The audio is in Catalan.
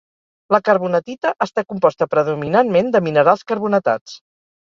La carbonatita està composta predominantment de minerals carbonatats.